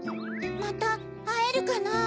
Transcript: またあえるかな？